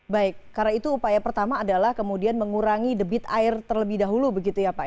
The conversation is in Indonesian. baik karena itu upaya pertama adalah kemudian mengurangi debit air terlebih dahulu begitu ya pak